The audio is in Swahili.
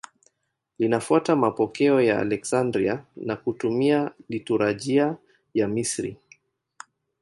Linafuata mapokeo ya Aleksandria na kutumia liturujia ya Misri.